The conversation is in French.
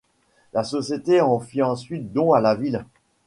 La société en fit ensuite don à la ville.